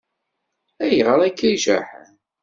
Ayɣer akka i jaḥen?